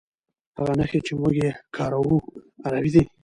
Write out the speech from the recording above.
هغه نښې چې موږ یې کاروو عربي دي.